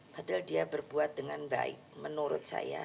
padahal dia berbuat dengan baik menurut saya